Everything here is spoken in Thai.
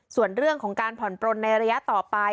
ส่วนเรื่องของการผ่อนปลนในระยะต่อไป